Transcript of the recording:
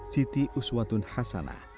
siti uswatun hasana